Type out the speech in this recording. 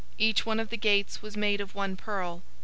Each one of the gates was made of one pearl.